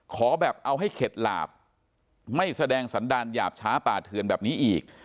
ขอแบบเอาให้เข็ดหลาบไม่แสดงสันดาลหยาบช้าป่าเทือนแบบนี้อีก